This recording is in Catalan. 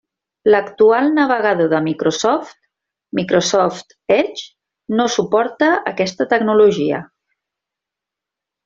L'actual navegador de Microsoft, Microsoft Edge, no suporta aquesta tecnologia.